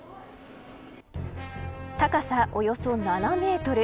高さおよそ７メートル。